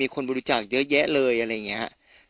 มีคนบริจาคเยอะแยะเลย